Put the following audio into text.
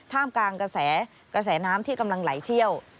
ท่ามกลางกระแสน้ำที่กำลังไหลเที่ยว